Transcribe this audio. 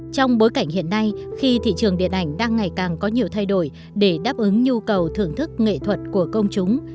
trong bối cảnh hiện nay khi thị trường điện ảnh đang ngày càng có nhiều thay đổi để đáp ứng nhu cầu thưởng thức nghệ thuật của công chúng